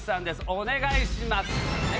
お願いします。